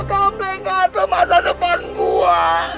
kamu mereka itu masa depan gue